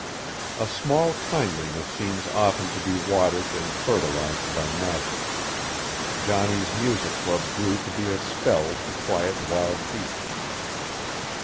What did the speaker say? A small kindliness seems often to be watered and fertilized by magic. Johnny's music club grew to be a spell to quiet wild beasts.